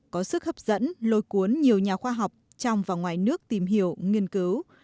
có sức hấp dẫn lôi cuốn nhiều nhà khoa học trong và ngoài nước tìm hiểu nghiên cứu